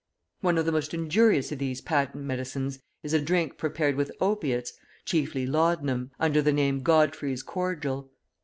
One of the most injurious of these patent medicines is a drink prepared with opiates, chiefly laudanum, under the name Godfrey's Cordial.